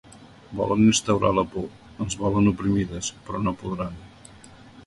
Volen instaurar la por, ens volen oprimides, però no podran.